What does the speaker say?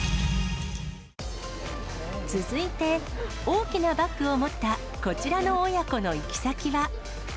続いて、大きなバッグを持ったこちらの親子の行き先は。